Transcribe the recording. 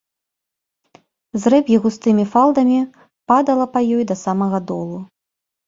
Зрэб'е густымі фалдамі падала па ёй да самага долу.